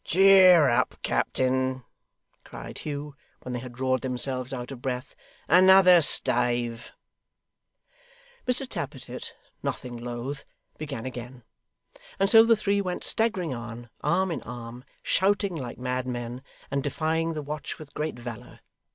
'Cheer up, captain!' cried Hugh, when they had roared themselves out of breath. 'Another stave!' Mr Tappertit, nothing loath, began again; and so the three went staggering on, arm in arm, shouting like madmen, and defying the watch with great valour.